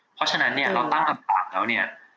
เพราะฉะนั้นเนี่ยเราตั้งคำถามแล้วเนี่ย